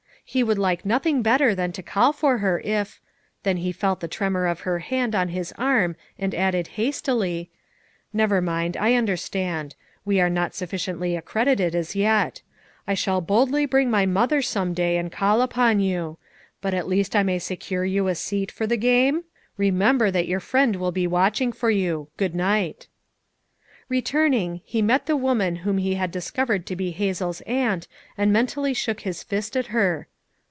He would like nothing better than to call for her if — then he felt the tremor of her hand on his arm and added hastily : "Never mind, I understand; we are not 1S2 FOUR MOTHERS AT CHAUTAUQUA sufficiently accredited as yet; I shall boldly bring my mother, some day, and call upon you. But at least I may secure you a seat for the game! Eemember that your friend will be watching for you. Good night." Returning, he met the woman whom he had discovered to he Hazel's aunt and mentally shook his fist at her.